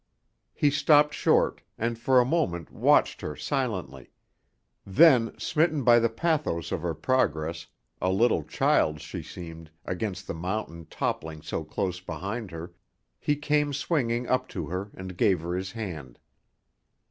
He stopped short, and for a moment watched her silently; then, smitten by the pathos of her progress a little child, she seemed, against the mountain toppling so close behind her he came swinging up to her and gave her his hand.